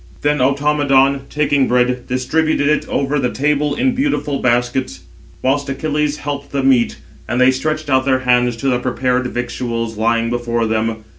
Then Automedon, taking bread, distributed it over the table in beautiful baskets; whilst Achilles helped the meat, and they stretched out their hands to the prepared victuals lying before them.